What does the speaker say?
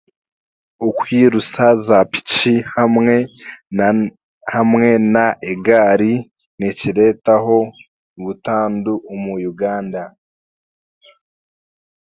Okwirusa zaapiki hamwe nan hamwe na egaari nikireetaho butandu omu Uganda.